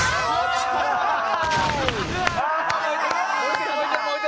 落ちた。